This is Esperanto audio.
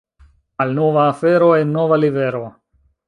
Malnova afero en nova livero.